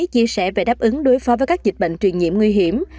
chia sẻ về đáp ứng đối phó với các dịch bệnh truyền nhiễm nguy hiểm